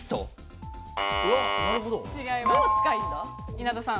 稲田さん。